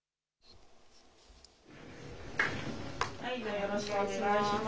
よろしくお願いします。